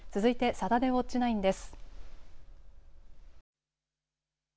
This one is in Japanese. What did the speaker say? サタデーウオッチ９です。